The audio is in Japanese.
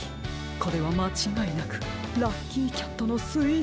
これはまちがいなくラッキーキャットのスイートポテトです。